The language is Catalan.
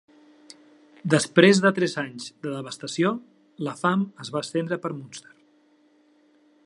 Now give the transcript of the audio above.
Després de tres anys de devastació, la fam es va estendre per Munster.